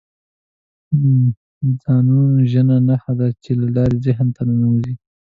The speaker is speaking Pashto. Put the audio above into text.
ځانوژنه نښه ده چې لارې ذهن ته نه ورځي